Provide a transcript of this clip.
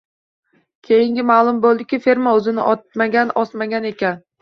Keyin ma’lum bo‘ldiki, ferma o‘zini otmagan, osmagan ekan…